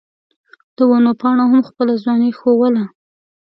د ونو پاڼو هم خپله ځواني ښووله.